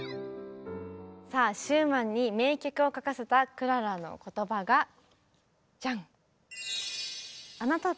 さあシューマンに名曲を書かせたクララの言葉がジャン。